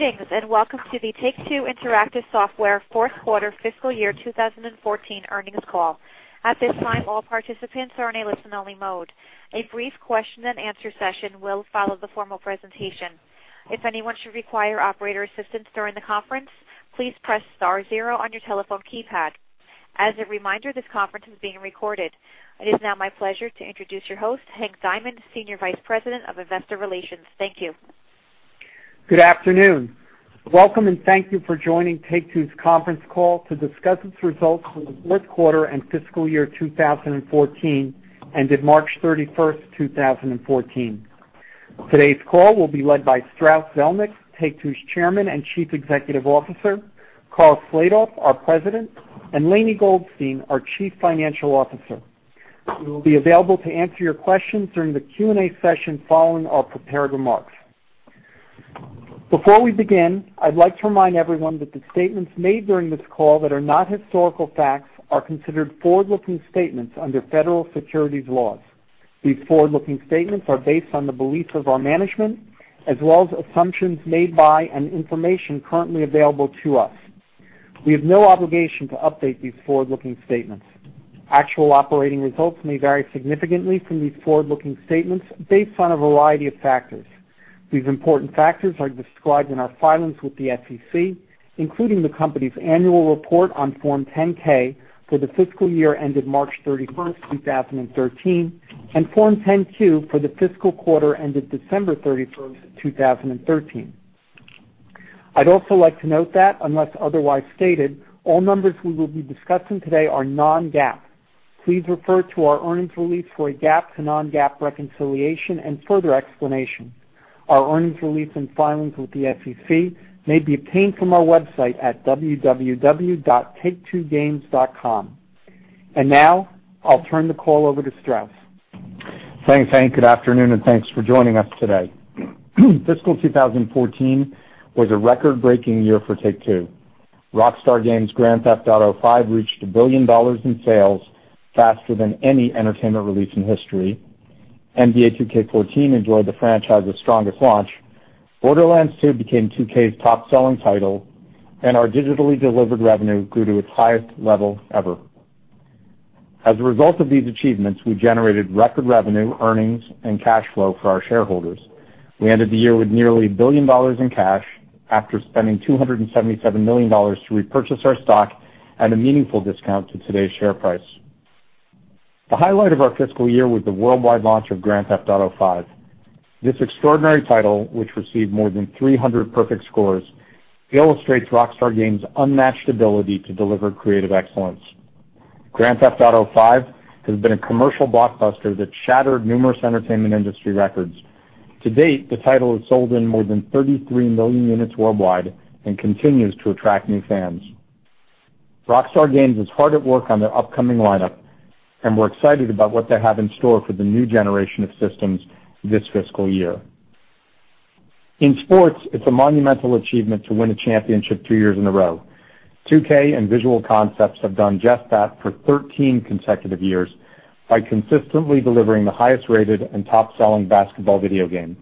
Greetings, welcome to the Take-Two Interactive Software fourth quarter fiscal year 2014 earnings call. At this time, all participants are in a listen-only mode. A brief question and answer session will follow the formal presentation. If anyone should require operator assistance during the conference, please press star zero on your telephone keypad. As a reminder, this conference is being recorded. It is now my pleasure to introduce your host, Hank Diamond, Senior Vice President of Investor Relations. Thank you. Good afternoon. Welcome, thank you for joining Take-Two's conference call to discuss its results for the fourth quarter and fiscal year 2014, ended March 31st, 2014. Today's call will be led by Strauss Zelnick, Take-Two's Chairman and Chief Executive Officer, Karl Slatoff, our President, and Lainie Goldstein, our Chief Financial Officer, who will be available to answer your questions during the Q&A session following our prepared remarks. Before we begin, I'd like to remind everyone that the statements made during this call that are not historical facts are considered forward-looking statements under federal securities laws. These forward-looking statements are based on the beliefs of our management as well as assumptions made by and information currently available to us. We have no obligation to update these forward-looking statements. Actual operating results may vary significantly from these forward-looking statements based on a variety of factors. These important factors are described in our filings with the SEC, including the company's annual report on Form 10-K for the fiscal year ended March 31st, 2013, and Form 10-Q for the fiscal quarter ended December 31st, 2013. I'd also like to note that unless otherwise stated, all numbers we will be discussing today are non-GAAP. Please refer to our earnings release for a GAAP to non-GAAP reconciliation and further explanation. Our earnings release and filings with the SEC may be obtained from our website at www.take2games.com. Now I'll turn the call over to Strauss. Thanks, Hank. Good afternoon, thanks for joining us today. Fiscal 2014 was a record-breaking year for Take-Two. Rockstar Games' Grand Theft Auto V reached $1 billion in sales faster than any entertainment release in history. NBA 2K14 enjoyed the franchise's strongest launch. Borderlands 2 became 2K's top-selling title, and our digitally delivered revenue grew to its highest level ever. As a result of these achievements, we generated record revenue, earnings, and cash flow for our shareholders. We ended the year with nearly $1 billion in cash after spending $277 million to repurchase our stock at a meaningful discount to today's share price. The highlight of our fiscal year was the worldwide launch of Grand Theft Auto V. This extraordinary title, which received more than 300 perfect scores, illustrates Rockstar Games' unmatched ability to deliver creative excellence. Grand Theft Auto V has been a commercial blockbuster that shattered numerous entertainment industry records. To date, the title has sold in more than 33 million units worldwide and continues to attract new fans. Rockstar Games is hard at work on their upcoming lineup, and we're excited about what they have in store for the new generation of systems this fiscal year. In sports, it's a monumental achievement to win a championship two years in a row. 2K and Visual Concepts have done just that for 13 consecutive years by consistently delivering the highest-rated and top-selling basketball video game.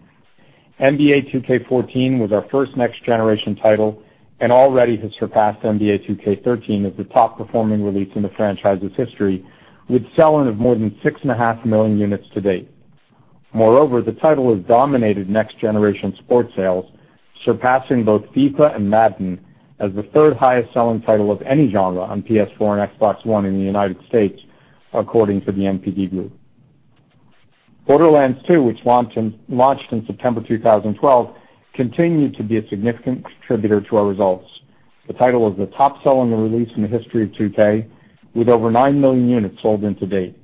NBA 2K14 was our first next-generation title and already has surpassed NBA 2K13 as the top-performing release in the franchise's history, with sell-in of more than six and a half million units to date. The title has dominated next-generation sports sales, surpassing both FIFA and Madden as the third highest selling title of any genre on PS4 and Xbox One in the U.S., according to the NPD Group. Borderlands 2, which launched in September 2012, continued to be a significant contributor to our results. The title was the top-selling release in the history of 2K, with over nine million units sold to date.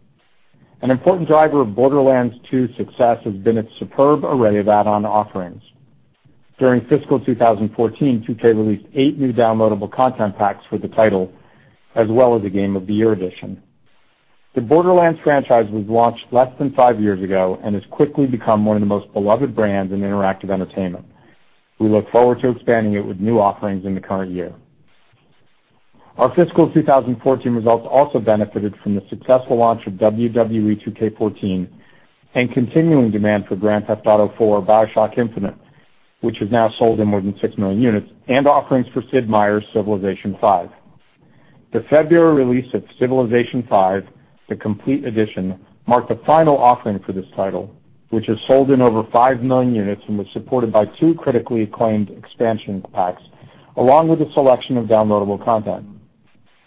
An important driver of Borderlands 2's success has been its superb array of add-on offerings. During fiscal 2014, 2K released eight new downloadable content packs for the title as well as a Game of the Year edition. The Borderlands franchise was launched less than five years ago and has quickly become one of the most beloved brands in interactive entertainment. We look forward to expanding it with new offerings in the current year. Our fiscal 2014 results also benefited from the successful launch of WWE 2K14 and continuing demand for Grand Theft Auto IV or BioShock Infinite, which has now sold in more than six million units, and offerings for Sid Meier's Civilization V. The February release of Civilization V, the Complete Edition, marked the final offering for this title, which has sold in over five million units and was supported by two critically acclaimed expansion packs, along with a selection of downloadable content.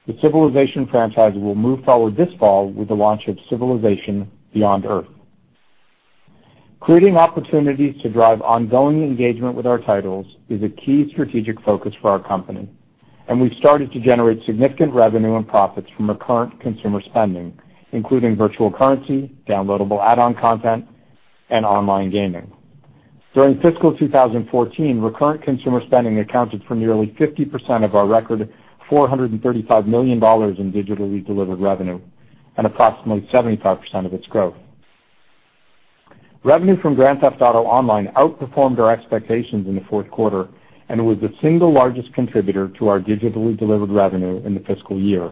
The Civilization franchise will move forward this fall with the launch of Civilization: Beyond Earth. Creating opportunities to drive ongoing engagement with our titles is a key strategic focus for our company, and we've started to generate significant revenue and profits from recurrent consumer spending, including virtual currency, downloadable add-on content, and online gaming. During fiscal 2014, recurrent consumer spending accounted for nearly 50% of our record $435 million in digitally delivered revenue and approximately 75% of its growth. Revenue from Grand Theft Auto Online outperformed our expectations in the fourth quarter and was the single largest contributor to our digitally delivered revenue in the fiscal year.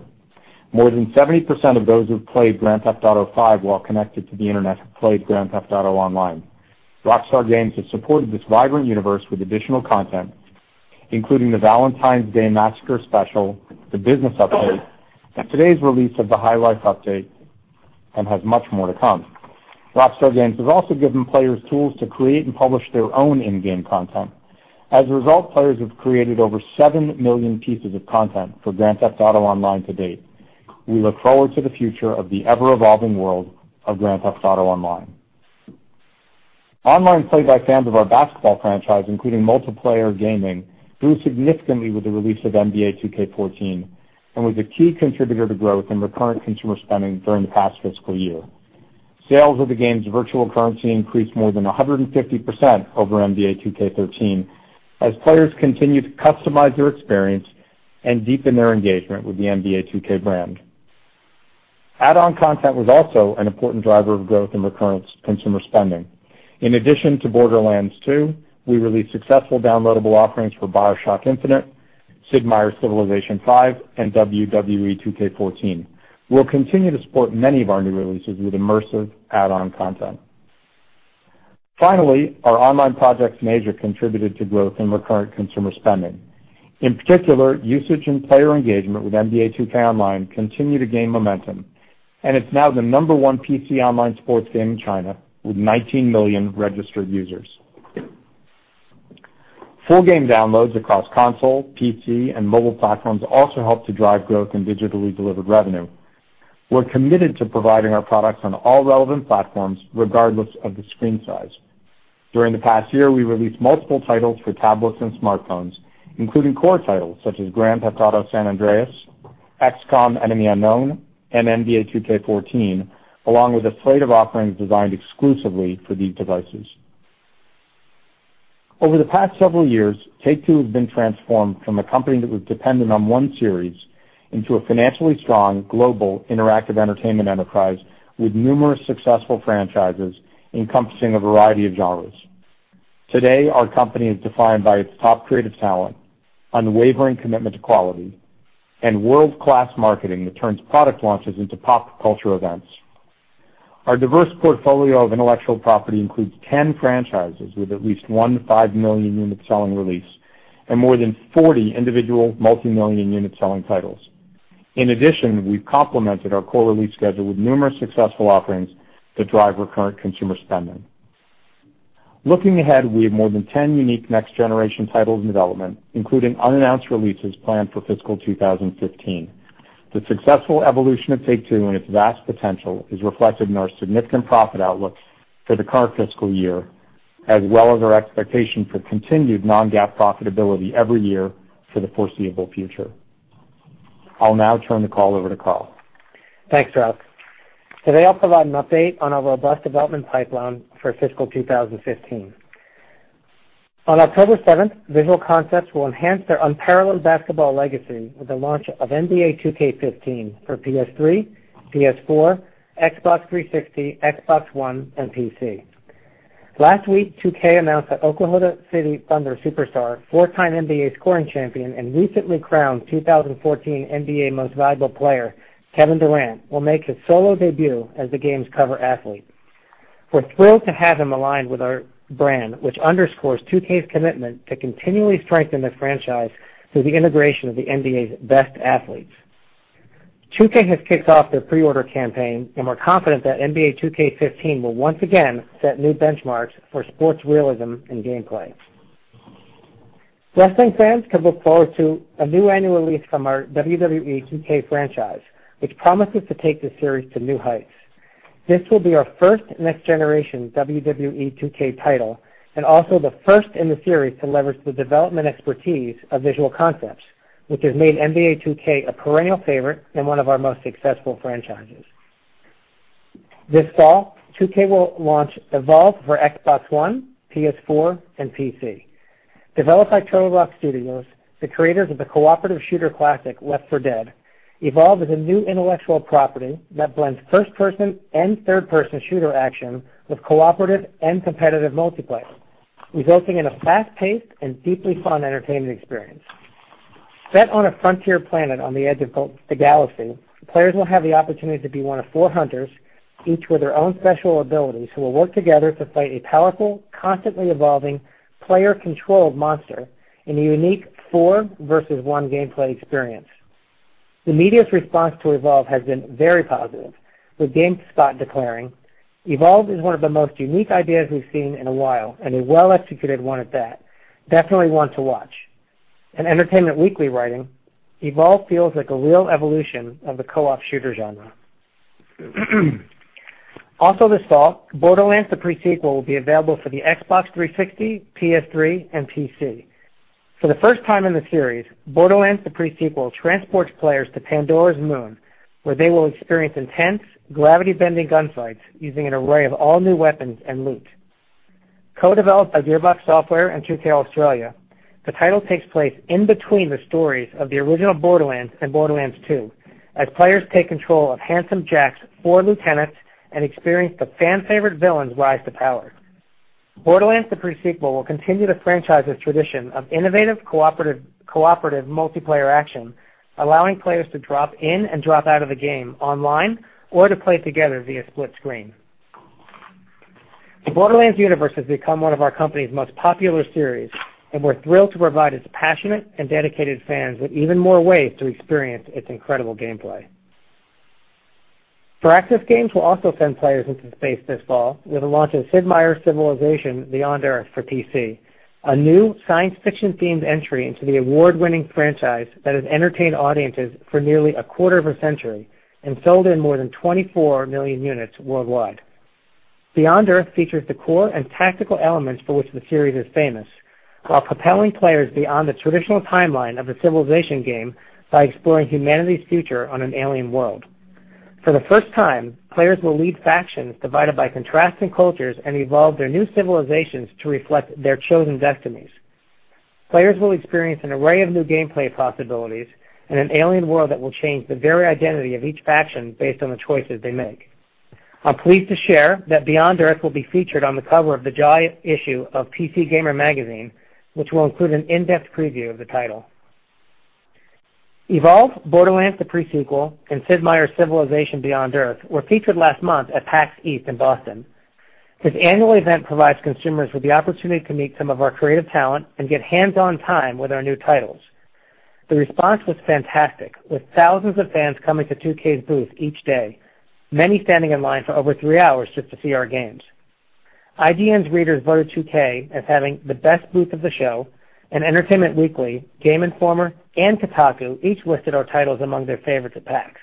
More than 70% of those who have played "Grand Theft Auto V" while connected to the internet have played "Grand Theft Auto Online." Rockstar Games has supported this vibrant universe with additional content, including the Valentine's Day Massacre Special, the Business Update, and today's release of the High Life Update, and has much more to come. Rockstar Games has also given players tools to create and publish their own in-game content. As a result, players have created over seven million pieces of content for "Grand Theft Auto Online" to date. We look forward to the future of the ever-evolving world of "Grand Theft Auto Online." Online play by fans of our basketball franchise, including multiplayer gaming, grew significantly with the release of "NBA 2K14" and was a key contributor to growth in recurrent consumer spending during the past fiscal year. Sales of the game's virtual currency increased more than 150% over "NBA 2K13" as players continue to customize their experience and deepen their engagement with the NBA 2K brand. Add-on content was also an important driver of growth in recurrent consumer spending. In addition to "Borderlands 2," we released successful downloadable offerings for "BioShock Infinite," "Sid Meier's Civilization V," and "WWE 2K14." We'll continue to support many of our new releases with immersive add-on content. Our online projects major contributed to growth in recurrent consumer spending. In particular, usage and player engagement with "NBA 2K Online" continue to gain momentum, and it's now the number 1 PC online sports game in China with 19 million registered users. Full game downloads across console, PC, and mobile platforms also help to drive growth in digitally delivered revenue. We're committed to providing our products on all relevant platforms, regardless of the screen size. During the past year, we released multiple titles for tablets and smartphones, including core titles such as "Grand Theft Auto: San Andreas," "XCOM: Enemy Unknown," and "NBA 2K14," along with a slate of offerings designed exclusively for these devices. Over the past several years, Take-Two has been transformed from a company that was dependent on one series into a financially strong, global interactive entertainment enterprise with numerous successful franchises encompassing a variety of genres. Today, our company is defined by its top creative talent, unwavering commitment to quality, and world-class marketing that turns product launches into pop culture events. Our diverse portfolio of intellectual property includes 10 franchises with at least 1 to 5 million-unit selling release and more than 40 individual multimillion-unit selling titles. In addition, we've complemented our core release schedule with numerous successful offerings to drive recurrent consumer spending. Looking ahead, we have more than 10 unique next-generation titles in development, including unannounced releases planned for fiscal 2015. The successful evolution of Take-Two and its vast potential is reflected in our significant profit outlook for the current fiscal year, as well as our expectation for continued non-GAAP profitability every year for the foreseeable future. I'll now turn the call over to Karl. Thanks, Strauss. Today, I'll provide an update on our robust development pipeline for fiscal 2015. On October 7th, Visual Concepts will enhance their unparalleled basketball legacy with the launch of "NBA 2K15" for PS3, PS4, Xbox 360, Xbox One, and PC. Last week, 2K announced that Oklahoma City Thunder superstar, four-time NBA scoring champion, and recently crowned 2014 NBA Most Valuable Player, Kevin Durant, will make his solo debut as the game's cover athlete. We're thrilled to have him aligned with our brand, which underscores 2K's commitment to continually strengthen the franchise through the integration of the NBA's best athletes. 2K has kicked off their pre-order campaign, and we're confident that "NBA 2K15" will once again set new benchmarks for sports realism and gameplay. Wrestling fans can look forward to a new annual release from our "WWE 2K" franchise, which promises to take the series to new heights. This will be our first next-generation "WWE 2K" title and also the first in the series to leverage the development expertise of Visual Concepts, which has made "NBA 2K" a perennial favorite and one of our most successful franchises. This fall, 2K will launch "Evolve" for Xbox One, PS4, and PC. Developed by Turtle Rock Studios, the creators of the cooperative shooter classic "Left 4 Dead," "Evolve" is a new intellectual property that blends first-person and third-person shooter action with cooperative and competitive multiplayer, resulting in a fast-paced and deeply fun entertainment experience. Set on a frontier planet on the edge of the galaxy, players will have the opportunity to be one of four hunters, each with their own special abilities, who will work together to fight a powerful, constantly evolving, player-controlled monster in a unique four versus one gameplay experience. The media's response to "Evolve" has been very positive, with GameSpot declaring, "Evolve is one of the most unique ideas we've seen in a while, and a well-executed one at that. Definitely one to watch." Entertainment Weekly writing, "Evolve feels like a real evolution of the co-op shooter genre." Also this fall, "Borderlands: The Pre-Sequel" will be available for the Xbox 360, PS3, and PC. For the first time in the series, "Borderlands: The Pre-Sequel" transports players to Pandora's moon, where they will experience intense gravity-bending gunfights using an array of all-new weapons and loot. Co-developed by Gearbox Software and 2K Australia, the title takes place in between the stories of the original "Borderlands" and "Borderlands 2," as players take control of Handsome Jack's four lieutenants and experience the fan favorite villain's rise to power. Borderlands: The Pre-Sequel" will continue the franchise's tradition of innovative cooperative multiplayer action, allowing players to drop in and drop out of the game online or to play together via split screen. The Borderlands universe has become one of our company's most popular series, and we're thrilled to provide its passionate and dedicated fans with even more ways to experience its incredible gameplay. Firaxis Games will also send players into space this fall with the launch of "Sid Meier's Civilization: Beyond Earth" for PC, a new science fiction-themed entry into the award-winning franchise that has entertained audiences for nearly a quarter of a century and sold in more than 24 million units worldwide. "Beyond Earth" features the core and tactical elements for which the series is famous, while propelling players beyond the traditional timeline of the Civilization game by exploring humanity's future on an alien world. For the first time, players will lead factions divided by contrasting cultures and evolve their new civilizations to reflect their chosen destinies. Players will experience an array of new gameplay possibilities in an alien world that will change the very identity of each faction based on the choices they make. I'm pleased to share that "Beyond Earth" will be featured on the cover of the July issue of PC Gamer magazine, which will include an in-depth preview of the title. "Evolve," "Borderlands: The Pre-Sequel," and "Sid Meier's Civilization: Beyond Earth" were featured last month at PAX East in Boston. This annual event provides consumers with the opportunity to meet some of our creative talent and get hands-on time with our new titles. The response was fantastic, with thousands of fans coming to 2K's booth each day, many standing in line for over three hours just to see our games. IGN's readers voted 2K as having the best booth of the show. Entertainment Weekly, Game Informer, and Kotaku each listed our titles among their favorites at PAX.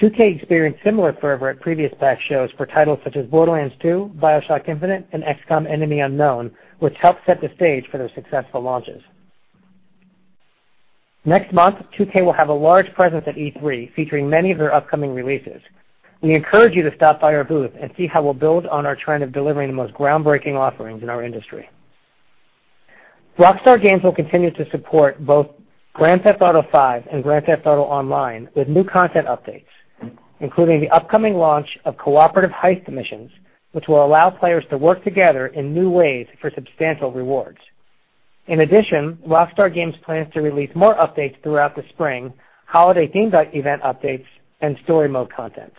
2K experienced similar fervor at previous PAX shows for titles such as "Borderlands 2," "BioShock Infinite," and "XCOM: Enemy Unknown," which helped set the stage for their successful launches. Next month, 2K will have a large presence at E3, featuring many of their upcoming releases. We encourage you to stop by our booth and see how we'll build on our trend of delivering the most groundbreaking offerings in our industry. Rockstar Games will continue to support both "Grand Theft Auto V" and "Grand Theft Auto Online" with new content updates, including the upcoming launch of cooperative heist missions, which will allow players to work together in new ways for substantial rewards. In addition, Rockstar Games plans to release more updates throughout the spring, holiday-themed event updates, and story mode content.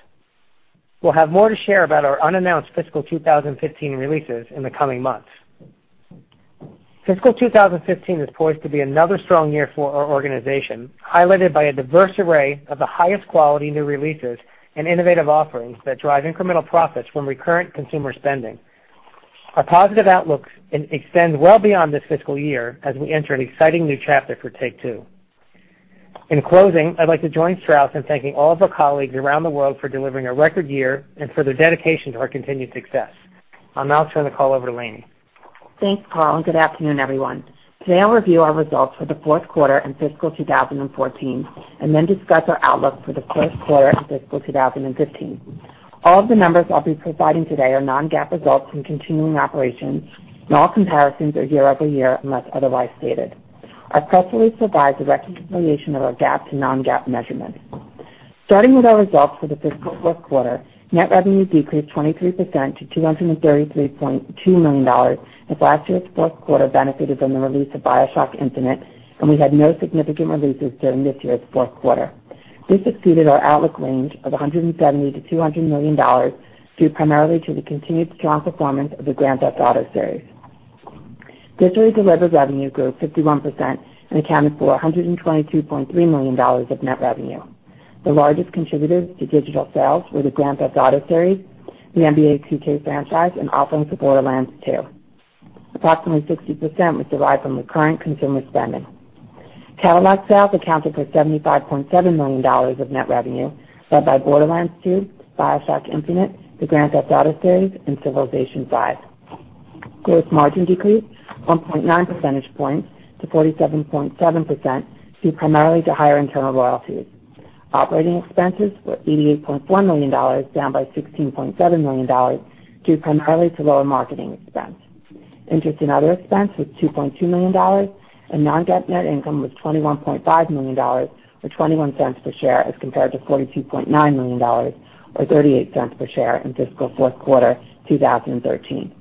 We'll have more to share about our unannounced fiscal 2015 releases in the coming months. Fiscal 2015 is poised to be another strong year for our organization, highlighted by a diverse array of the highest quality new releases and innovative offerings that drive incremental profits from recurrent consumer spending. Our positive outlook extends well beyond this fiscal year as we enter an exciting new chapter for Take-Two. In closing, I'd like to join Strauss in thanking all of our colleagues around the world for delivering a record year and for their dedication to our continued success. I'll now turn the call over to Lainie. Thanks, Karl, and good afternoon, everyone. Today, I'll review our results for the fourth quarter and fiscal 2014, and then discuss our outlook for the first quarter and fiscal 2015. All of the numbers I'll be providing today are non-GAAP results from continuing operations, and all comparisons are year-over-year, unless otherwise stated. I've carefully provided the reconciliation of our GAAP to non-GAAP measurements. Starting with our results for the fiscal fourth quarter, net revenue decreased 23% to $233.2 million as last year's fourth quarter benefited from the release of "BioShock Infinite," and we had no significant releases during this year's fourth quarter. This exceeded our outlook range of $170 million-$200 million due primarily to the continued strong performance of the "Grand Theft Auto" series. Digitally delivered revenue grew 51% and accounted for $122.3 million of net revenue. The largest contributors to digital sales were the "Grand Theft Auto" series, the "NBA 2K" franchise, and offerings for "Borderlands 2." Approximately 60% was derived from recurrent consumer spending. Catalog sales accounted for $75.7 million of net revenue led by "Borderlands 2," "BioShock Infinite," the "Grand Theft Auto" series, and "Civilization V." Gross margin decreased 1.9 percentage points to 47.7% due primarily to higher internal royalties. Operating expenses were $88.4 million, down by $16.7 million, due primarily to lower marketing expense. Interest and other expense was $2.2 million, and non-GAAP net income was $21.5 million, or $0.21 per share, as compared to $42.9 million, or $0.38 per share in fiscal fourth quarter 2013.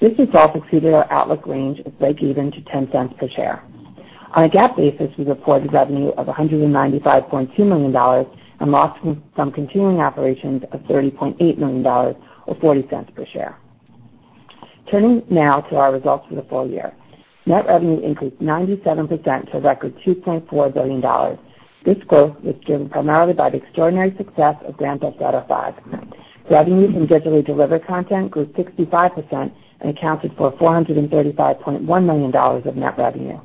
This result exceeded our outlook range of breakeven to $0.10 per share. On a GAAP basis, we reported revenue of $195.2 million and loss from continuing operations of $30.8 million or $0.40 per share. Turning now to our results for the full year. Net revenue increased 97% to a record $2.4 billion. This growth was driven primarily by the extraordinary success of Grand Theft Auto V. Revenue from digitally delivered content grew 65% and accounted for $435.1 million of net revenue.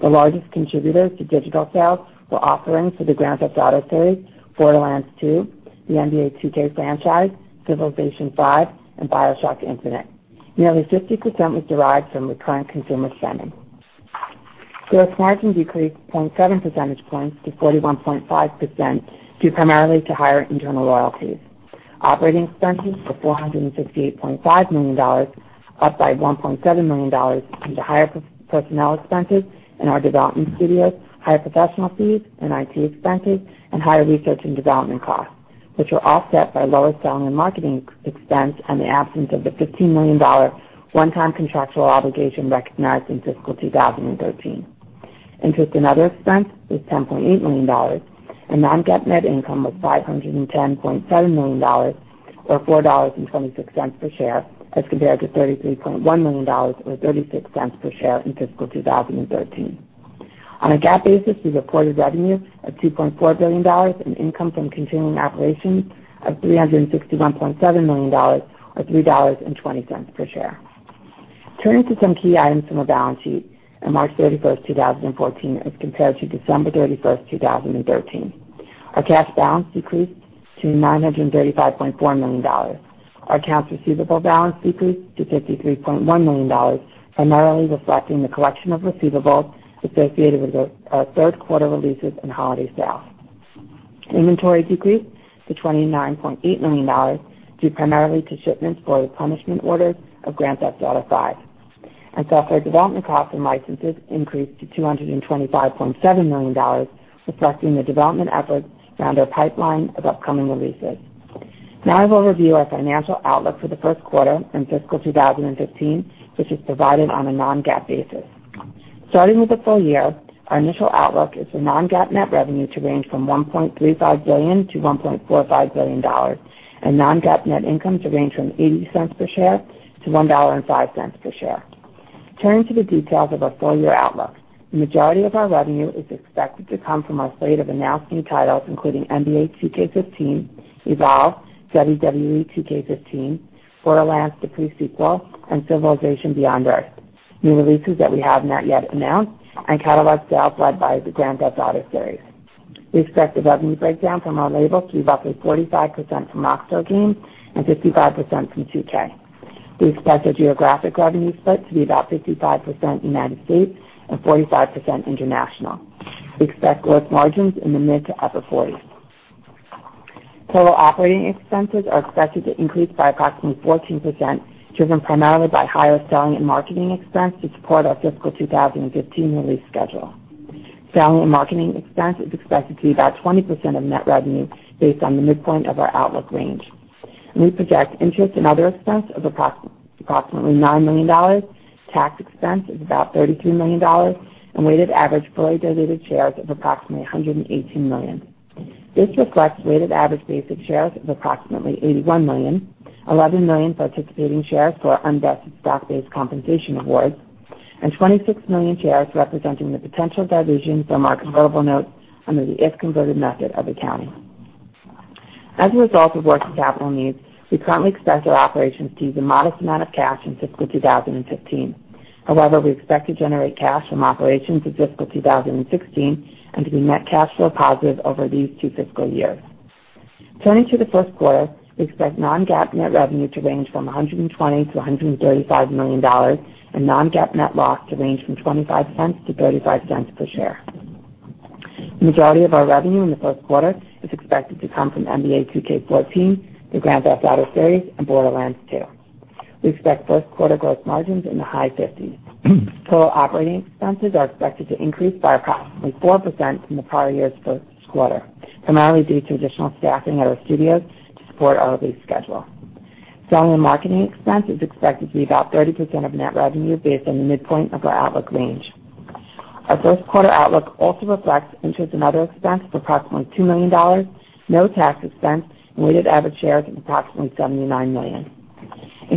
The largest contributors to digital sales were offerings for the Grand Theft Auto series, Borderlands 2, the NBA 2K franchise, Civilization V, and BioShock Infinite. Nearly 50% was derived from recurrent consumer spending. Gross margin decreased 0.7 percentage points to 41.5% due primarily to higher internal royalties. Operating expenses were $468.5 million, up by $1.7 million due to higher personnel expenses in our development studios, higher professional fees and IT expenses, and higher research and development costs. Which were offset by lower selling and marketing expense and the absence of the $15 million one-time contractual obligation recognized in fiscal 2013. Interest and other expense was $10.8 million, and non-GAAP net income was $510.7 million or $4.26 per share as compared to $33.1 million or $0.36 per share in fiscal 2013. On a GAAP basis, we reported revenue of $2.4 billion and income from continuing operations of $361.7 million or $3.20 per share. Turning to some key items from our balance sheet on March 31, 2014 as compared to December 31, 2013. Our cash balance decreased to $935.4 million. Our accounts receivable balance decreased to $53.1 million, primarily reflecting the collection of receivables associated with our third quarter releases and holiday sales. Inventory decreased to $29.8 million due primarily to shipments for replenishment orders of Grand Theft Auto V. Software development costs and licenses increased to $225.7 million, reflecting the development efforts around our pipeline of upcoming releases. Now I will review our financial outlook for the first quarter in fiscal 2015, which is provided on a non-GAAP basis. Starting with the full year, our initial outlook is for non-GAAP net revenue to range from $1.35 billion to $1.45 billion and non-GAAP net income to range from $0.80 per share to $1.05 per share. Turning to the details of our full-year outlook. The majority of our revenue is expected to come from our slate of announced new titles, including NBA 2K15, Evolve, WWE 2K15, Borderlands: The Pre-Sequel, and Civilization: Beyond Earth, new releases that we have not yet announced, and catalog sales led by the Grand Theft Auto series. We expect the revenue breakdown from our labels to be roughly 45% from Rockstar Games and 55% from 2K. We expect the geographic revenue split to be about 55% U.S. and 45% international. We expect gross margins in the mid to upper 40s. Total operating expenses are expected to increase by approximately 14%, driven primarily by higher selling and marketing expense to support our fiscal 2015 release schedule. Selling and marketing expense is expected to be about 20% of net revenue based on the midpoint of our outlook range. We project interest and other expense of approximately $9 million, tax expense of about $33 million, and weighted average fully diluted shares of approximately 118 million. This reflects weighted average basic shares of approximately 81 million, 11 million participating shares for unvested stock-based compensation awards, and 26 million shares representing the potential dilution from our convertible notes under the if-converted method of accounting. As a result of working capital needs, we currently expect our operations to use a modest amount of cash in fiscal 2015. We expect to generate cash from operations in fiscal 2016 and to be net cash flow positive over these two fiscal years. Turning to the first quarter, we expect non-GAAP net revenue to range from $120 million-$135 million and non-GAAP net loss to range from $0.25-$0.35 per share. The majority of our revenue in the first quarter is expected to come from "NBA 2K14," the "Grand Theft Auto" series, and "Borderlands 2." We expect first quarter gross margins in the high 50s. Total operating expenses are expected to increase by approximately 4% from the prior year's first quarter, primarily due to additional staffing at our studios to support our release schedule. Selling and marketing expense is expected to be about 30% of net revenue based on the midpoint of our outlook range. Our first quarter outlook also reflects interest in other expense of approximately $2 million, no tax expense, and weighted average shares of approximately 79 million.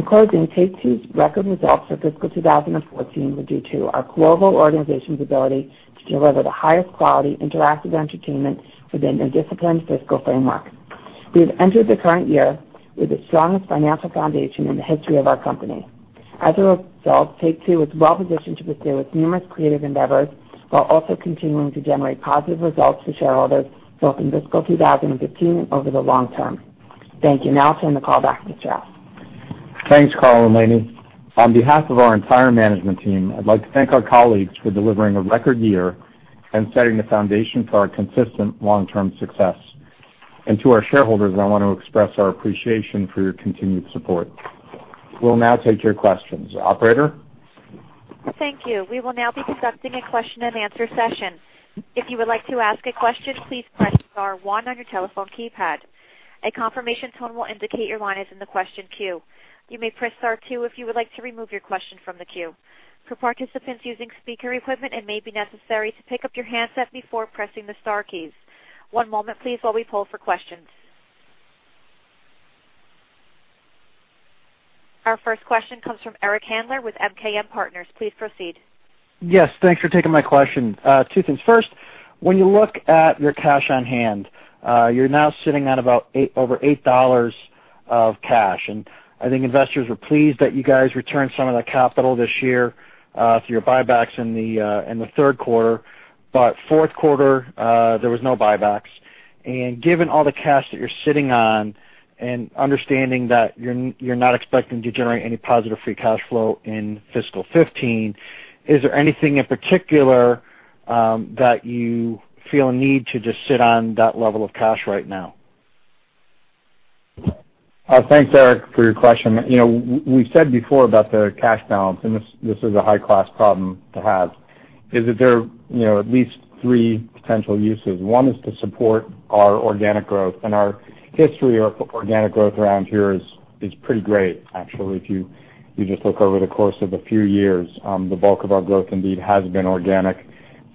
Take-Two's record results for fiscal 2014 were due to our global organization's ability to deliver the highest quality interactive entertainment within a disciplined fiscal framework. We have entered the current year with the strongest financial foundation in the history of our company. Take-Two is well-positioned to pursue its numerous creative endeavors while also continuing to generate positive results for shareholders both in fiscal 2015 and over the long term. Thank you. Now I'll turn the call back to Strauss. Thanks, Karl and Lainie. On behalf of our entire management team, I'd like to thank our colleagues for delivering a record year and setting the foundation for our consistent long-term success. To our shareholders, I want to express our appreciation for your continued support. We'll now take your questions. Operator? Thank you. We will now be conducting a question and answer session. If you would like to ask a question, please press star one on your telephone keypad. A confirmation tone will indicate your line is in the question queue. You may press star two if you would like to remove your question from the queue. For participants using speaker equipment, it may be necessary to pick up your handset before pressing the star keys. One moment please while we poll for questions. Our first question comes from Eric Handler with MKM Partners. Please proceed. Yes, thanks for taking my question. Two things. First, when you look at your cash on hand, you're now sitting at about over $8 of cash, and I think investors were pleased that you guys returned some of the capital this year through your buybacks in the third quarter. Fourth quarter, there was no buybacks. Given all the cash that you're sitting on and understanding that you're not expecting to generate any positive free cash flow in fiscal 2015, is there anything in particular that you feel a need to just sit on that level of cash right now? Thanks, Eric, for your question. We've said before about the cash balance, and this is a high-class problem to have, is that there are at least three potential uses. One is to support our organic growth. Our history of organic growth around here is pretty great, actually. If you just look over the course of a few years, the bulk of our growth indeed has been organic.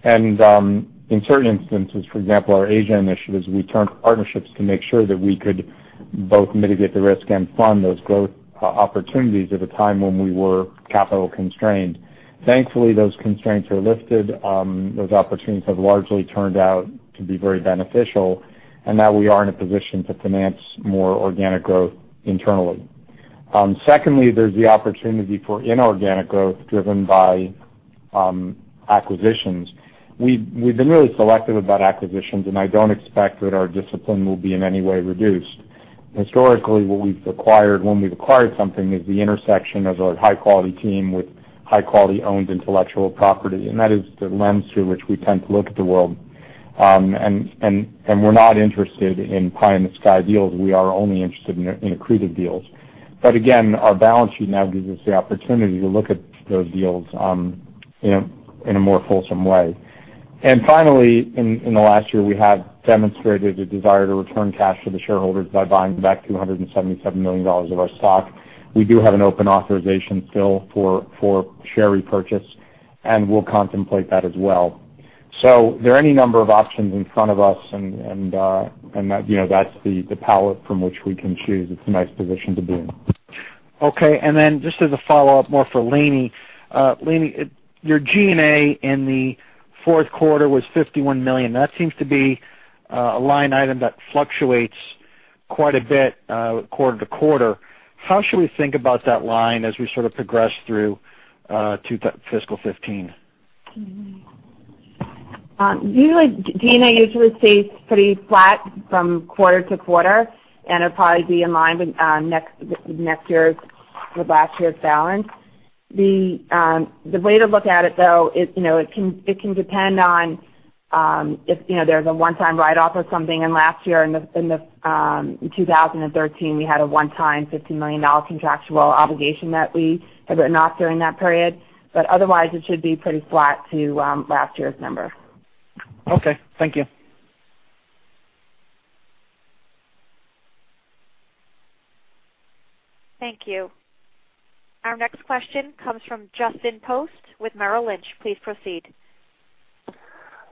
In certain instances, for example, our Asia initiatives, we turned to partnerships to make sure that we could both mitigate the risk and fund those growth opportunities at a time when we were capital constrained. Thankfully, those constraints are lifted. Those opportunities have largely turned out to be very beneficial, and now we are in a position to finance more organic growth internally. Secondly, there's the opportunity for inorganic growth driven by acquisitions. We've been really selective about acquisitions, and I don't expect that our discipline will be in any way reduced. Historically, when we've acquired something, is the intersection of a high-quality team with high-quality owned intellectual property, and that is the lens through which we tend to look at the world. We're not interested in pie in the sky deals. We are only interested in accretive deals. Again, our balance sheet now gives us the opportunity to look at those deals in a more fulsome way. Finally, in the last year, we have demonstrated a desire to return cash to the shareholders by buying back $277 million of our stock. We do have an open authorization still for share repurchase, and we'll contemplate that as well. There are any number of options in front of us, and that's the palette from which we can choose. It's a nice position to be in. Okay, just as a follow-up, more for Lainie. Lainie, your G&A in the fourth quarter was $51 million. That seems to be a line item that fluctuates quite a bit quarter-to-quarter. How should we think about that line as we sort of progress through to FY 2015? Usually, G&A stays pretty flat from quarter-to-quarter and will probably be in line with last year's balance. The way to look at it, though, it can depend on if there's a one-time write-off of something. Last year in 2013, we had a one-time $15 million contractual obligation that we had written off during that period. Otherwise, it should be pretty flat to last year's number. Okay. Thank you. Thank you. Our next question comes from Justin Post with Merrill Lynch. Please proceed. Thank you.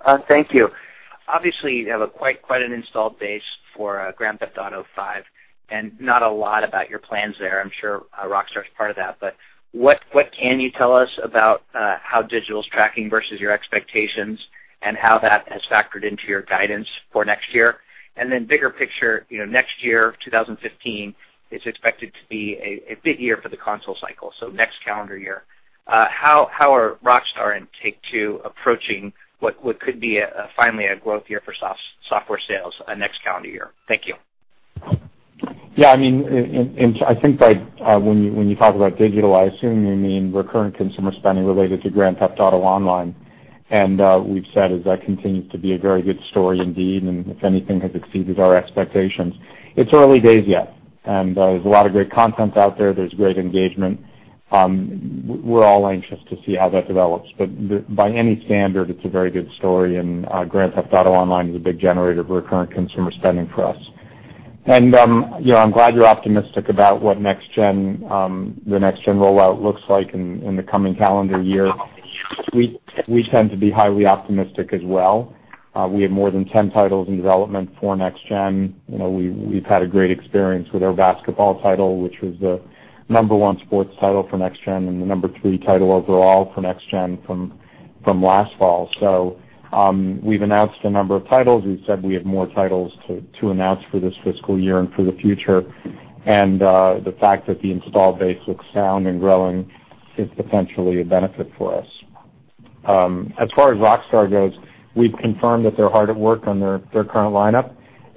Obviously, you have quite an installed base for Grand Theft Auto V and not a lot about your plans there. I'm sure Rockstar is part of that, but what can you tell us about how digital is tracking versus your expectations and how that has factored into your guidance for next year? Bigger picture, next year, 2015, is expected to be a big year for the console cycle, so next calendar year. How are Rockstar and Take-Two approaching what could be finally a growth year for software sales next calendar year? Thank you. Yeah, I think when you talk about digital, I assume you mean recurrent consumer spending related to Grand Theft Auto Online. We've said is that continues to be a very good story indeed, and if anything, has exceeded our expectations. It's early days yet, and there's a lot of great content out there. There's great engagement. We're all anxious to see how that develops. By any standard, it's a very good story, and Grand Theft Auto Online is a big generator of recurrent consumer spending for us. I'm glad you're optimistic about what the next-gen rollout looks like in the coming calendar year. We tend to be highly optimistic as well. We have more than 10 titles in development for next gen. We've had a great experience with our basketball title, which was the number 1 sports title for next gen and the number 3 title overall for next gen from last fall. We've announced a number of titles. We've said we have more titles to announce for this fiscal year and for the future. The fact that the install base looks sound and growing is potentially a benefit for us. As far as Rockstar goes, we've confirmed that they're hard at work on their current lineup,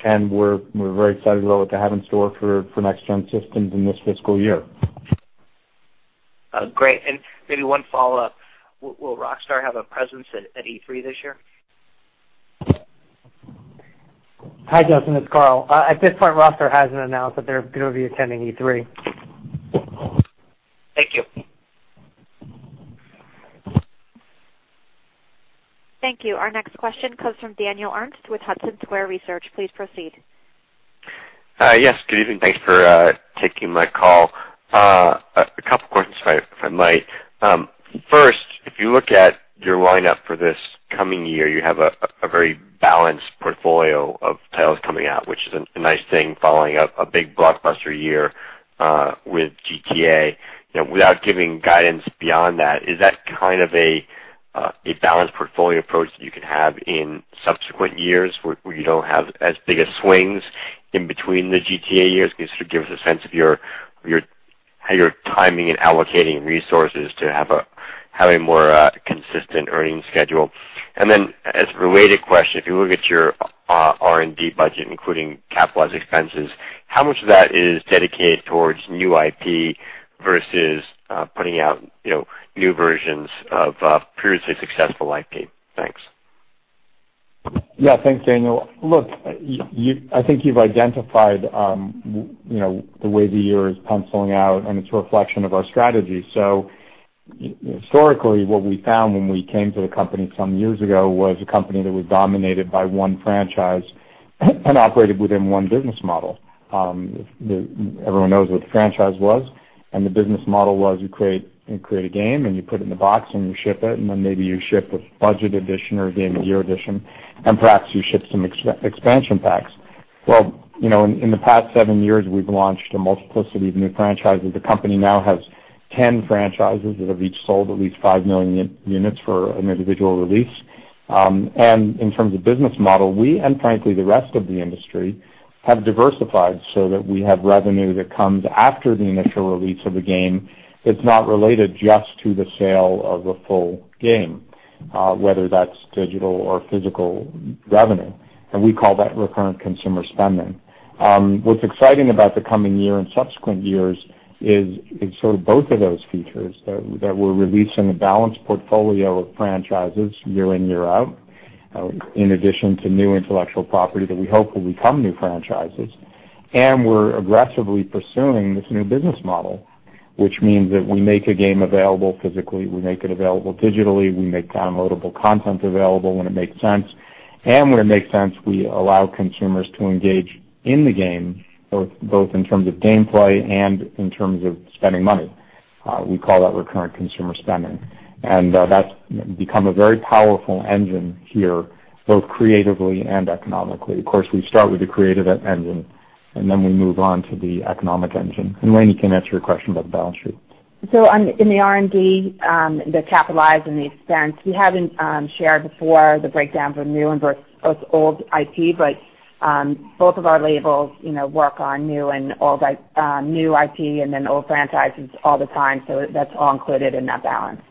and we're very excited about what they have in store for next-gen systems in this fiscal year. Great. Maybe one follow-up. Will Rockstar have a presence at E3 this year? Hi, Justin, it's Karl. At this point, Rockstar hasn't announced that they're going to be attending E3. Thank you. Thank you. Our next question comes from Daniel Ernst with Hudson Square Research. Please proceed. Yes, good evening. Thanks for taking my call. A couple questions, if I might. First, if you look at your lineup for this coming year, you have a very balanced portfolio of titles coming out, which is a nice thing following up a big blockbuster year with GTA. Without giving guidance beyond that, is that kind of a balanced portfolio approach that you can have in subsequent years where you don't have as big a swings in between the GTA years? Can you sort of give us a sense of how you're timing and allocating resources to have a more consistent earnings schedule? Then as a related question, if you look at your R&D budget, including capitalized expenses, how much of that is dedicated towards new IP versus putting out new versions of previously successful IP? Thanks. Thanks, Daniel. Look, I think you've identified the way the year is penciling out, and it's a reflection of our strategy. Historically, what we found when we came to the company some years ago was a company that was dominated by one franchise and operated within one business model. Everyone knows what the franchise was, and the business model was you create a game, and you put it in a box, and you ship it, and then maybe you ship a budget edition or a Game of the Year Edition, and perhaps you ship some expansion packs. Well, in the past seven years, we've launched a multiplicity of new franchises. The company now has 10 franchises that have each sold at least five million units for an individual release. In terms of business model, we, and frankly, the rest of the industry, have diversified so that we have revenue that comes after the initial release of the game that's not related just to the sale of the full game, whether that's digital or physical revenue, and we call that recurrent consumer spending. What's exciting about the coming year and subsequent years is it's sort of both of those features that we're releasing a balanced portfolio of franchises year in, year out, in addition to new intellectual property that we hope will become new franchises. We're aggressively pursuing this new business model, which means that we make a game available physically, we make it available digitally, we make downloadable content available when it makes sense, and when it makes sense, we allow consumers to engage in the game, both in terms of gameplay and in terms of spending money. We call that recurrent consumer spending, and that's become a very powerful engine here, both creatively and economically. Of course, we start with the creative engine, and then we move on to the economic engine. Lainie can answer your question about the balance sheet. In the R&D, the capitalized and the expense, we haven't shared before the breakdown for new and both old IP, but both of our labels work on new IP and then old franchises all the time, that's all included in that balance.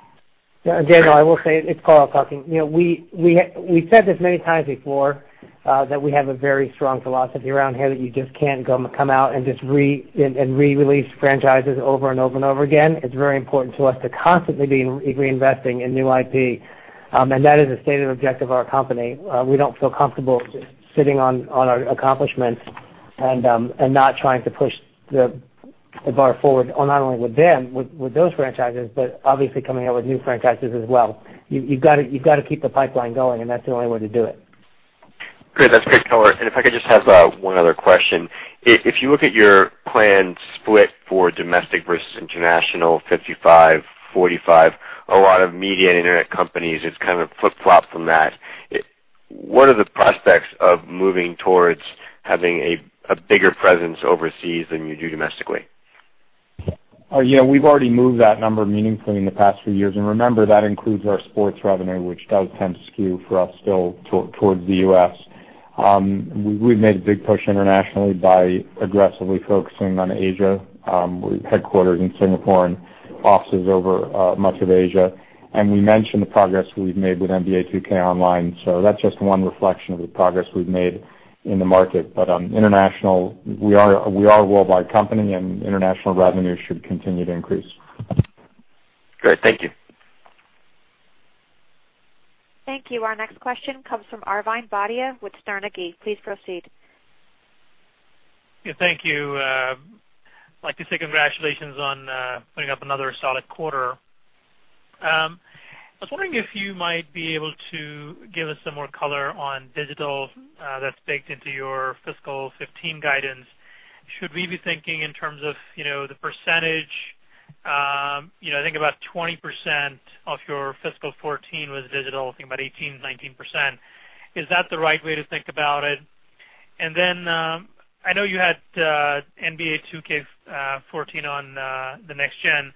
Daniel, I will say, it's Karl talking. We've said this many times before that we have a very strong philosophy around here that you just can't come out and just re-release franchises over and over and over again. It's very important to us to constantly be reinvesting in new IP, that is a stated objective of our company. We don't feel comfortable just sitting on our accomplishments and not trying to push the bar forward, not only with them, with those franchises, but obviously coming out with new franchises as well. You've got to keep the pipeline going, that's the only way to do it. Great. That's great, Karl. If I could just have one other question. If you look at your planned split for domestic versus international, 55/45, a lot of media internet companies, it's kind of flip-flopped from that. What are the prospects of moving towards having a bigger presence overseas than you do domestically? We've already moved that number meaningfully in the past few years, remember, that includes our sports revenue, which does tend to skew for us still towards the U.S. We've made a big push internationally by aggressively focusing on Asia, with headquarters in Singapore and offices over much of Asia. We mentioned the progress we've made with "NBA 2K Online," that's just one reflection of the progress we've made in the market. International, we are a worldwide company, international revenue should continue to increase. Great. Thank you. Thank you. Our next question comes from Arvind Bhatia with Sterne Agee. Please proceed. Yeah, thank you. I'd like to say congratulations on putting up another solid quarter. I was wondering if you might be able to give us some more color on digital that's baked into your fiscal 2015 guidance. Should we be thinking in terms of the percentage, I think about 20% of your fiscal 2014 was digital, I think about 18%-19%. Is that the right way to think about it? Then, I know you had NBA 2K14 on the Next Gen.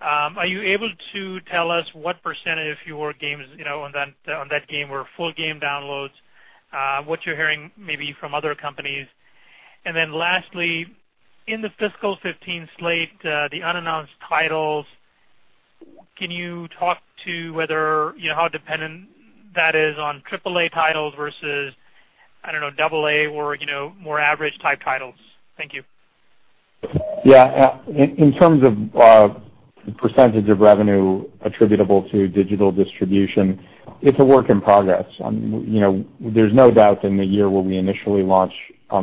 Are you able to tell us what percentage of your games on that game were full game downloads, what you're hearing maybe from other companies? Lastly, in the fiscal 2015 slate, the unannounced titles, can you talk to how dependent that is on AAA titles versus, I don't know, AA or more average type titles? Thank you. Yeah. In terms of the percentage of revenue attributable to digital distribution, it's a work in progress. There's no doubt in the year where we initially launched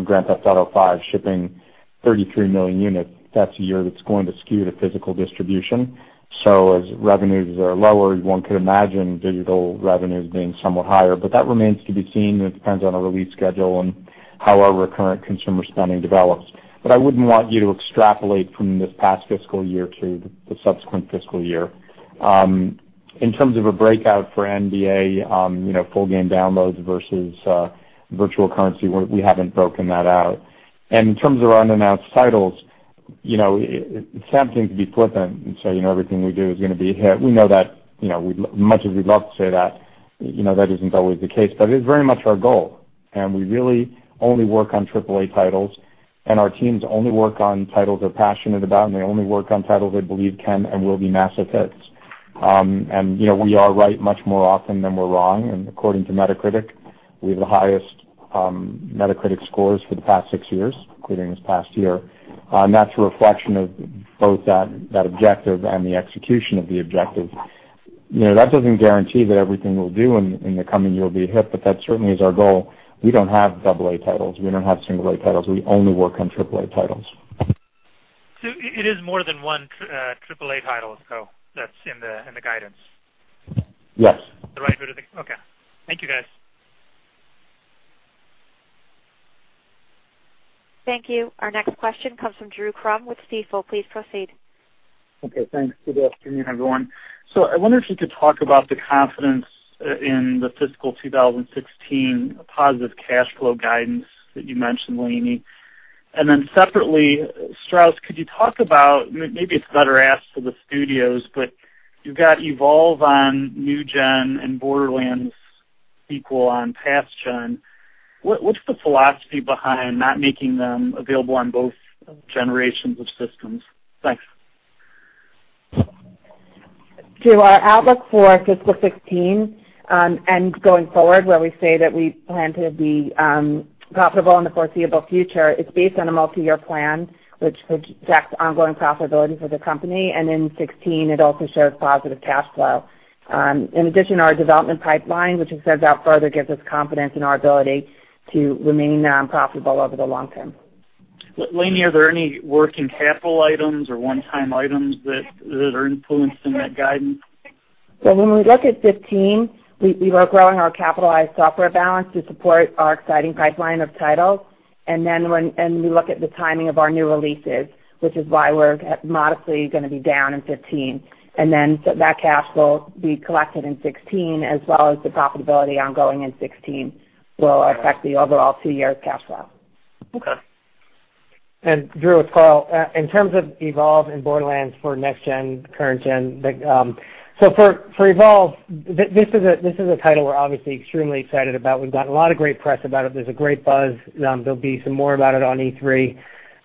Grand Theft Auto V shipping 33 million units, that's a year that's going to skew to physical distribution. As revenues are lower, one could imagine digital revenues being somewhat higher. That remains to be seen, and it depends on a release schedule and how our recurrent consumer spending develops. I wouldn't want you to extrapolate from this past fiscal year to the subsequent fiscal year. In terms of a breakout for NBA, full game downloads versus virtual currency, we haven't broken that out. In terms of our unannounced titles, it's tempting to be flippant and say everything we do is going to be a hit. We know that as much as we'd love to say that isn't always the case, but it is very much our goal. We really only work on AAA titles, and our teams only work on titles they're passionate about, and they only work on titles they believe can and will be massive hits. We are right much more often than we're wrong. According to Metacritic, we have the highest Metacritic scores for the past six years, including this past year. That's a reflection of both that objective and the execution of the objective. That doesn't guarantee that everything we'll do in the coming year will be a hit, but that certainly is our goal. We don't have double A titles. We don't have single A titles. We only work on triple A titles. It is more than one triple A title that's in the guidance? Yes. Okay. Thank you, guys. Thank you. Our next question comes from Drew Crum with Stifel. Please proceed. Okay. Thanks. Good afternoon, everyone. I wonder if you could talk about the confidence in the fiscal 2016 positive cash flow guidance that you mentioned, Lainie. Separately, Strauss, could you talk about, maybe it's better asked to the studios, but you've got Evolve on new-gen and Borderlands sequel on past-gen. What's the philosophy behind not making them available on both generations of systems? Thanks. To our outlook for fiscal 2016, going forward where we say that we plan to be profitable in the foreseeable future, it's based on a multi-year plan which projects ongoing profitability for the company. In 2016, it also shows positive cash flow. In addition, our development pipeline, which extends out further, gives us confidence in our ability to remain profitable over the long term. Lainie, are there any working capital items or one-time items that are influenced in that guidance? When we look at 2015, we were growing our capitalized software balance to support our exciting pipeline of titles. When we look at the timing of our new releases, which is why we're modestly going to be down in 2015. That cash will be collected in 2016 as well as the profitability ongoing in 2016 will affect the overall two-year cash flow. Okay. Drew, it's Karl. In terms of Evolve and Borderlands for next-gen, current-gen. For Evolve, this is a title we're obviously extremely excited about. We've gotten a lot of great press about it. There's a great buzz. There'll be some more about it on E3,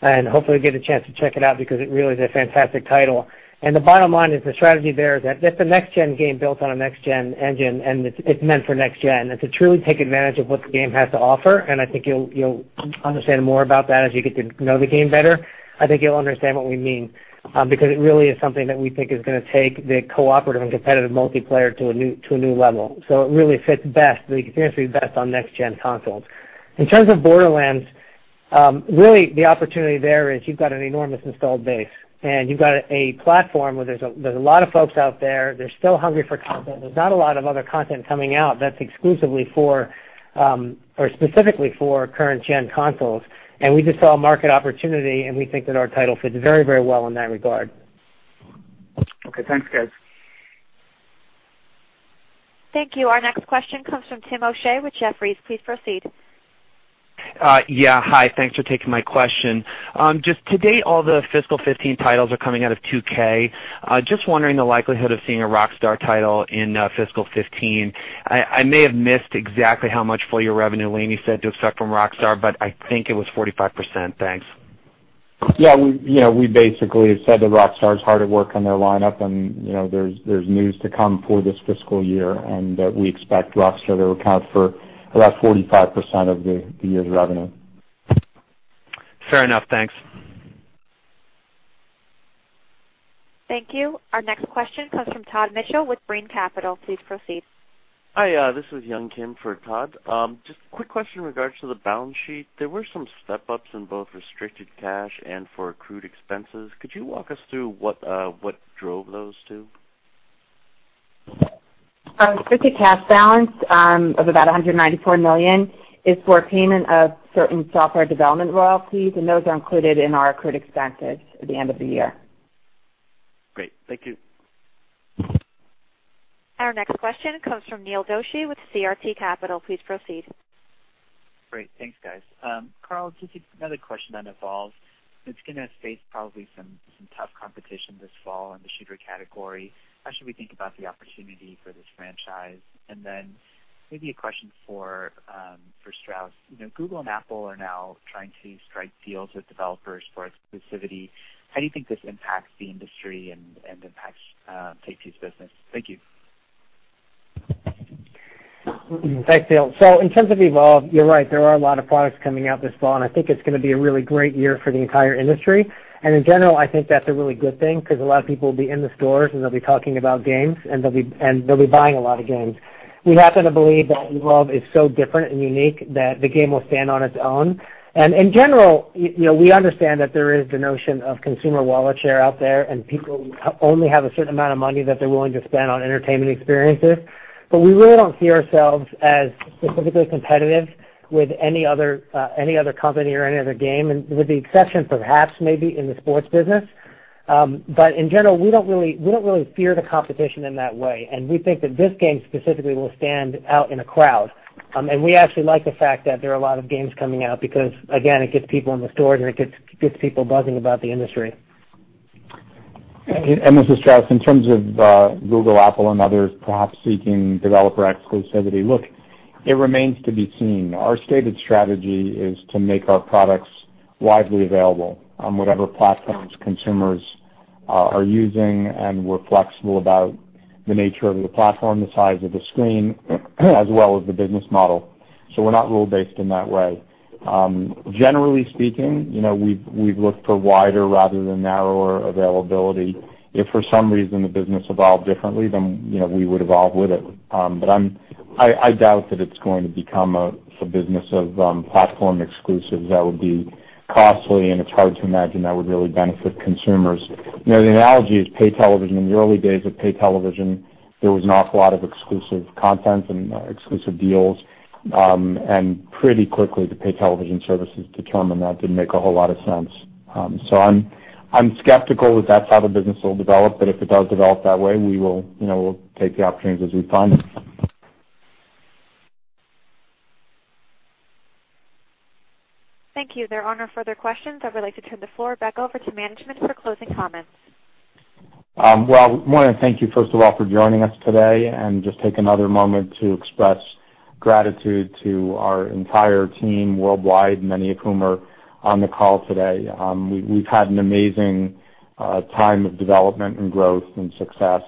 and hopefully you get a chance to check it out because it really is a fantastic title. The bottom line is the strategy there is that it's a next-gen game built on a next-gen engine, and it's meant for next-gen. To truly take advantage of what the game has to offer, and I think you'll understand more about that as you get to know the game better. I think you'll understand what we mean, because it really is something that we think is going to take the cooperative and competitive multiplayer to a new level. It really fits best, the experience will be best on next-gen consoles. In terms of Borderlands, really the opportunity there is you've got an enormous installed base, and you've got a platform where there's a lot of folks out there, they're still hungry for content. There's not a lot of other content coming out that's exclusively for, or specifically for current-gen consoles. We just saw a market opportunity, and we think that our title fits very well in that regard. Okay. Thanks, guys. Thank you. Our next question comes from Timothy O'Shea with Jefferies. Please proceed. Yeah. Hi. Thanks for taking my question. Just to date, all the fiscal 2015 titles are coming out of 2K. Just wondering the likelihood of seeing a Rockstar title in fiscal 2015. I may have missed exactly how much full-year revenue Lainie said to expect from Rockstar, but I think it was 45%. Thanks. Yeah. We basically have said that Rockstar is hard at work on their lineup, and there's news to come for this fiscal year, and that we expect Rockstar to account for about 45% of the year's revenue. Fair enough. Thanks. Thank you. Our next question comes from Todd Mitchell with Brean Capital. Please proceed. Hi, this is Yung Kim for Todd. Just a quick question in regards to the balance sheet. There were some step-ups in both restricted cash and for accrued expenses. Could you walk us through what drove those two? Restricted cash balance of about $194 million is for payment of certain software development royalties. Those are included in our accrued expenses at the end of the year. Great. Thank you. Our next question comes from Neil Doshi with CRT Capital. Please proceed. Great. Thanks, guys. Karl, just another question on Evolve. It's going to face probably some tough competition this fall in the shooter category. How should we think about the opportunity for this franchise? Maybe a question for Strauss. Google and Apple are now trying to strike deals with developers for exclusivity. How do you think this impacts the industry and impacts Take-Two's business? Thank you. Thanks, Neil. In terms of Evolve, you're right. There are a lot of products coming out this fall, and I think it's going to be a really great year for the entire industry. In general, I think that's a really good thing because a lot of people will be in the stores, and they'll be talking about games, and they'll be buying a lot of games. We happen to believe that Evolve is so different and unique that the game will stand on its own. In general, we understand that there is the notion of consumer wallet share out there, and people only have a certain amount of money that they're willing to spend on entertainment experiences. We really don't see ourselves as specifically competitive with any other company or any other game, with the exception perhaps maybe in the sports business. In general, we don't really fear the competition in that way, and we think that this game specifically will stand out in a crowd. We actually like the fact that there are a lot of games coming out because, again, it gets people in the stores, and it gets people buzzing about the industry. This is Strauss. In terms of Google, Apple, and others perhaps seeking developer exclusivity, look, it remains to be seen. Our stated strategy is to make our products widely available on whatever platforms consumers are using, and we're flexible about the nature of the platform, the size of the screen, as well as the business model. We're not rule-based in that way. Generally speaking, we've looked for wider rather than narrower availability. If for some reason the business evolved differently, we would evolve with it. I doubt that it's going to become a business of platform exclusives. That would be costly, and it's hard to imagine that would really benefit consumers. The analogy is pay television. In the early days of pay television, there was an awful lot of exclusive content and exclusive deals, and pretty quickly the pay television services determined that didn't make a whole lot of sense. I'm skeptical that that's how the business will develop, but if it does develop that way, we'll take the opportunities as we find them. Thank you. There are no further questions. I would like to turn the floor back over to management for closing comments. Well, I want to thank you first of all for joining us today and just take another moment to express gratitude to our entire team worldwide, many of whom are on the call today. We've had an amazing time of development and growth and success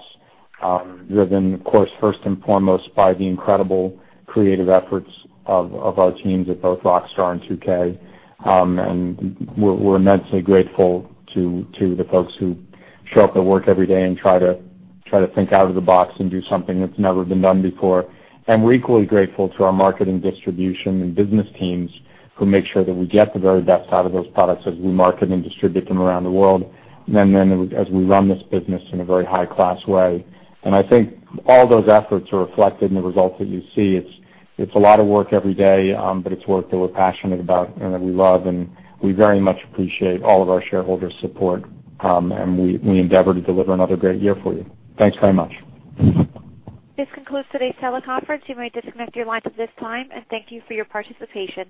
driven, of course, first and foremost by the incredible creative efforts of our teams at both Rockstar and 2K. We're immensely grateful to the folks who show up at work every day and try to think out of the box and do something that's never been done before. We're equally grateful to our marketing, distribution, and business teams who make sure that we get the very best out of those products as we market and distribute them around the world and then as we run this business in a very high-class way. I think all those efforts are reflected in the results that you see. It's a lot of work every day, but it's work that we're passionate about and that we love, and we very much appreciate all of our shareholders' support, and we endeavor to deliver another great year for you. Thanks very much. This concludes today's teleconference. You may disconnect your lines at this time, and thank you for your participation.